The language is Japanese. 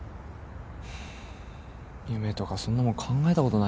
夢とかそんなもん考えたことないな。